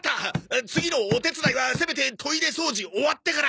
次のお手伝いはせめてトイレ掃除終わってから。